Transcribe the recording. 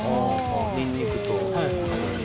ニンニクと一緒に。